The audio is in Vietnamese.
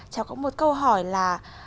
cháu có một câu hỏi là